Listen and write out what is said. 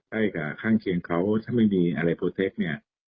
ใกล้กับข้างเคียงเขาถ้าไม่มีอะไรโปรเท็กเนี่ย